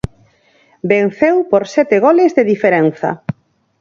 Venceu por sete goles de diferenza.